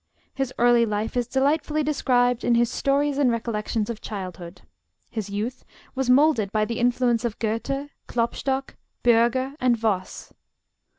His early life is delightfully described in his 'Stories and Recollections of Childhood.' His youth was molded by the influence of Goethe, Klopstock, Bürger, and Voss.